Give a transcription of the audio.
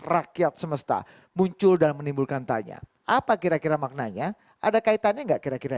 rakyat semesta muncul dan menimbulkan tanya apa kira kira maknanya ada kaitannya enggak kira kira